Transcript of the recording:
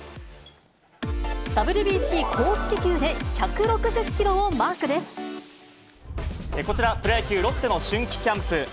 ＷＢＣ公式球で１６０キロをこちら、プロ野球・ロッテの春季キャンプ。